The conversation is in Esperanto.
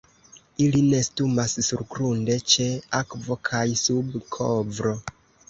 Ili nestumas surgrunde, ĉe akvo kaj sub kovro.